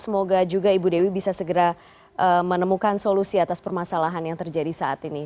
semoga juga ibu dewi bisa segera menemukan solusi atas permasalahan yang terjadi saat ini